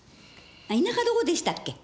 あっ田舎どこでしたっけ？